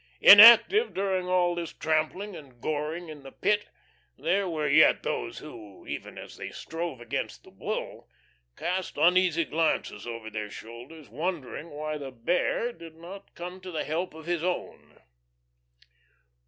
Inactive during all this trampling and goring in the Pit, there were yet those who, even as they strove against the Bull, cast uneasy glances over their shoulders, wondering why the Bear did not come to the help of his own.